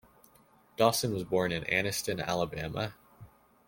Dawson was born in Anniston, Alabama.